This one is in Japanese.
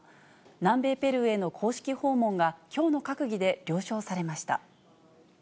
南米ペルーへの公式訪問が、きょうの閣議で了承されました。